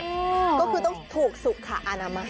ก็คือต้องถูกสุขค่ะอาณามะ